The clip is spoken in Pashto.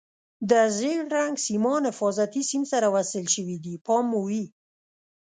د زیړ رنګ سیمان حفاظتي سیم سره وصل شوي دي پام مو وي.